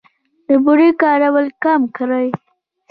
د بورې کارول کم کړئ.